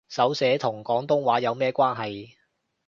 手寫同廣東話有咩關係